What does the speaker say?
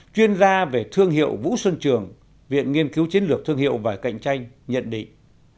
chuyên gia về thương hiệu vũ xuân trường viện nghiên cứu chiến lược thương hiệu và cạnh tranh nhận định